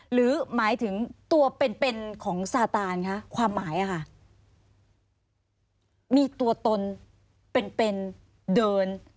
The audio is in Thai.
หรือหมายถึงตัวเป็นของซาตานค่ะความหมายมีตัวตนเป็นเดิน